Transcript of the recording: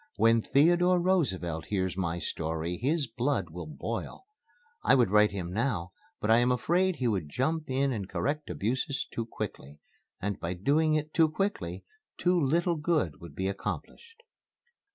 When Theodore Roosevelt hears my story his blood will boil. I would write to him now, but I am afraid he would jump in and correct abuses too quickly. And by doing it too quickly too little good would be accomplished."